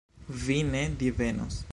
Vi ne divenos.